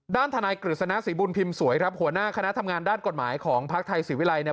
ด้านทนายกฤษณะศรีบุญพิมพ์สวยครับหัวหน้าคณะทำงานด้านกฎหมายของภาคไทยศรีวิรัยเนี่ย